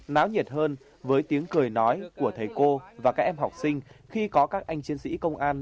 náo nhiệt hơn với tiếng cười nói của thầy cô và các em học sinh khi có các anh chiến sĩ công an